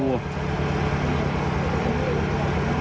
เห็นขาคนเขาเลยเข้าไปดู